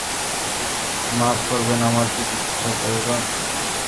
মাফ করবেন, আপনার কি চিকিৎসা প্রয়োজন?